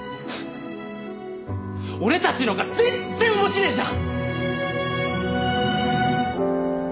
俺たちのが全然面白えじゃん！